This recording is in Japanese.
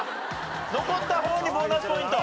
残った方にボーナスポイント。